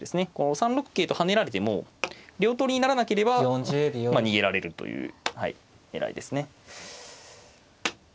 ３六桂と跳ねられても両取りにならなければ逃げられるという狙いですね。